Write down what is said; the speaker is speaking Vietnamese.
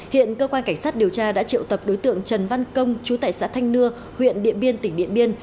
hiện cơ quan cảnh sát điều tra đã triệu tập đối tượng trần văn công chú tại xã thanh nưa huyện điện biên tỉnh điện biên